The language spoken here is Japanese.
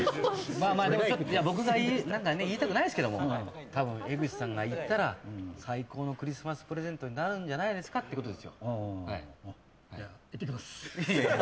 あまり言いたくないですけどたぶん江口さんが行ったら最高のクリスマスプレゼントになるんじゃないですかってことですよ。